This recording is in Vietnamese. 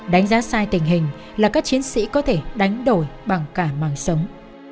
đánh giá sai tình hình là các chiến sĩ có thể đánh đổi bằng cả màng sống